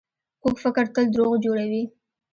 کوږ فکر تل دروغ جوړوي